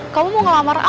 kamu mau ngelamar aku